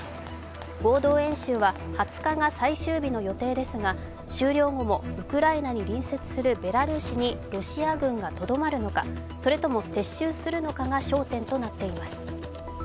合同演習は２０日が最終日の予定ですが終了後もウクライナに隣接するベラルーシにロシア軍がとどまるのかそれとも撤収するのかが焦点となっています。